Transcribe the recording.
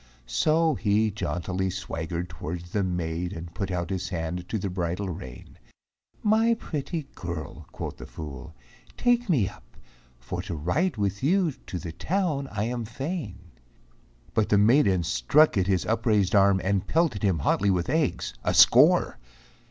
So he jauntily swaggered towards the maid And put out his hand to the bridle rein. "My pretty girl," quoth the fool, "take me up, For to ride with you to the town I am fain." But the maiden struck at his upraised arm And pelted him hotly with eggs, a score.